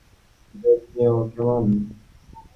আগে রিহার্সালটা করে নিই, তারপর ব্রেক নিও, কেমন?